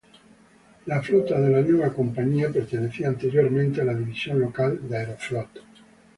La flota de la nueva compañía pertenecía anteriormente a la división local de Aeroflot.